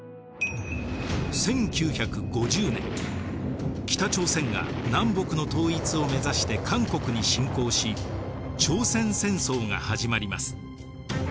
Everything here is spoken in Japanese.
１９５０年北朝鮮が南北の統一を目指して韓国に侵攻し朝鮮戦争が始まります。